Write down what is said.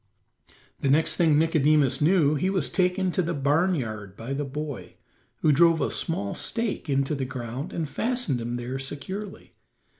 The next thing Nicodemus knew he was taken to the barn yard by the boy, who drove a small stake into the ground and fastened him there securely.